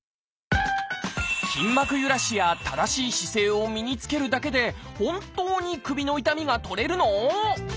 筋膜ゆらしや正しい姿勢を身につけるだけで本当に首の痛みが取れるの？